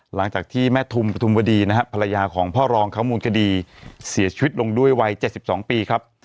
หลังจากที่แม่ทุมปฐุมวดีนะฮะภรรยาของพ่อรองเขามูลคดีเสียชีวิตลงด้วยวัย๗๒ปีครับ